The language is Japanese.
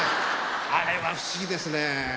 あれは不思議ですね。